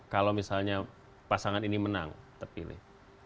kalau misalnya pasangan ini menang terpilih